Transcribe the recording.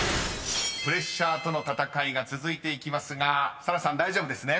［プレッシャーとの闘いが続いていきますが沙羅さん大丈夫ですね？